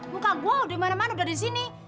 muka gua udah mana mana udah di sini